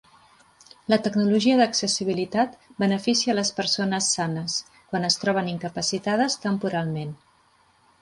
La tecnologia d'accessibilitat beneficia a les persones sanes, quan es troben incapacitades temporalment.